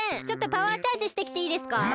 ちょっとパワーチャージしてきていいですか？